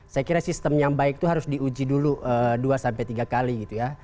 saya kira sistem yang baik itu harus diuji dulu dua sampai tiga kali gitu ya